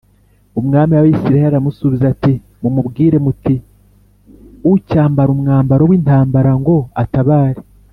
Umwami w’Abisirayeli aramusubiza ati “Mumubwire muti ‘Ucyambara umwambaro w’intambara ngo atabare